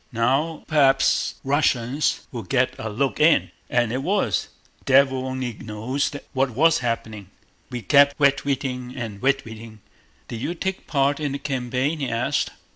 Now p'waps Wussians will get a look in. As it was, devil only knows what was happening. We kept wetweating and wetweating. Did you take part in the campaign?" he asked.